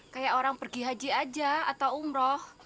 kayak orang pergi haji aja atau umroh